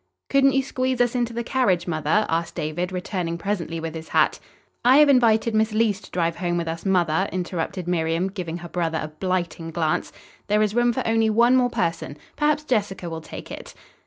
"Couldn't you squeeze us into the carriage, mother?" asked David, returning presently with his hat. "I have invited Miss Leece to drive home with us, mother," interrupted Miriam, giving her brother a blighting glance. "There is room for only one more person. Perhaps Jessica will take it."